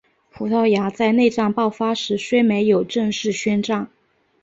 葡萄牙在内战爆发时虽没有正式宣战。